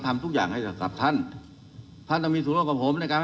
คุณคุยนะฟังคุณครู